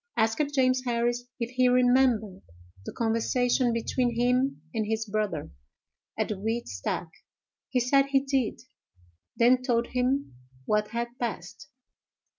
Asked James Harris if he remembered the conversation between him and his brother, at the wheat stack; he said he did; then told him what had passed.